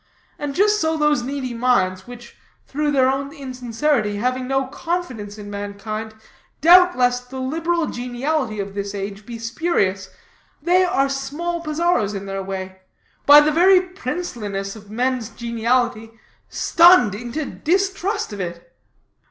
And just so those needy minds, which, through their own insincerity, having no confidence in mankind, doubt lest the liberal geniality of this age be spurious. They are small Pizarros in their way by the very princeliness of men's geniality stunned into distrust of it."